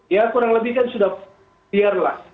ya kurang lebih kan sudah biarlah